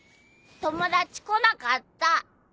友達来なかった。